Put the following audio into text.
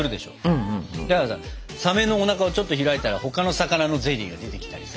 だからさサメのおなかをちょっと開いたら他の魚のゼリーが出てきたりさ。